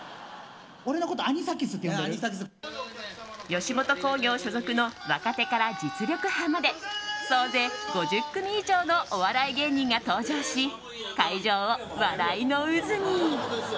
吉本興業所属の若手から実力派まで総勢５０組以上のお笑い芸人が登場し会場を笑いの渦に。